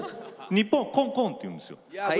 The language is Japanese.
日本はコンコンっていうんですよ。